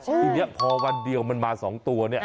ทีนี้พอวันเดียวมันมา๒ตัวเนี่ย